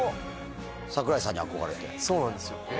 そうなんですよ。